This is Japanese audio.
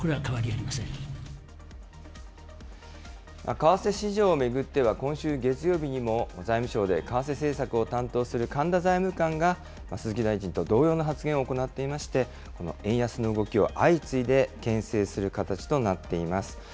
為替市場を巡っては、今週月曜日にも、財務省で為替政策を担当する神田財務官が鈴木大臣と同様の発言を行っていまして、円安の動きを相次いでけん制する形となっています。